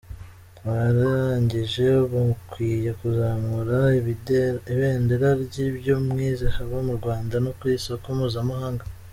Abarangije mukwiye kuzamura ibendera ry’ibyo mwize haba mu Rwanda no ku isoko mpuzamahanga.